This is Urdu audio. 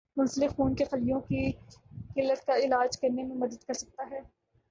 منسلک خون کے خلیوں کی قلت کا علاج کرنے میں مدد کر سکتا ہے